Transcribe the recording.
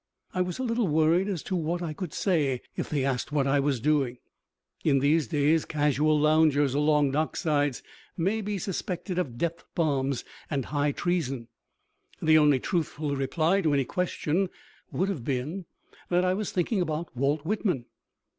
I was a little worried as to what I could say if they asked what I was doing. In these days casual loungers along docksides may be suspected of depth bombs and high treason. The only truthful reply to any question would have been that I was thinking about Walt Whitman.